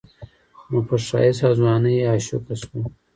نو پۀ ښايست او ځوانۍ يې عاشقه شوه